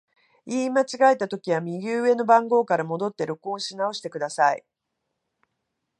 言い間違えたときは、右上の番号から戻って録音し直してください。